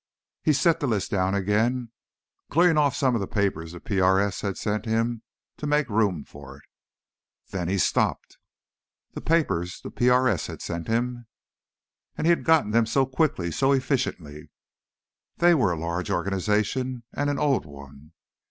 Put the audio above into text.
He set the list down again, clearing off some of the papers the PRS had sent him to make room for it. Then he stopped. The papers the PRS had sent him.... And he'd gotten them so quickly, so efficiently.... They were a large organization.... And an old one....